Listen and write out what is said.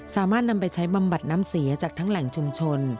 สามารถนำไปใช้บำบัดน้ำเสียจากทั้งแหล่งชุมชน